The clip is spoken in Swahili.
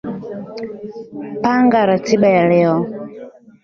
Panga ratiba ya leo.